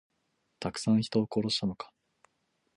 たくさんの人を殺したのか。